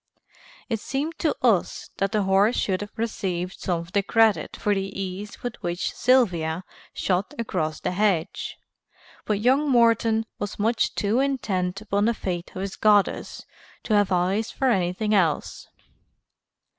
It seemed to us that the horse should have received some of the credit for the ease with which Sylvia shot across the hedge, but young Morton was much too intent upon the fate of his goddess to have eyes for anything else.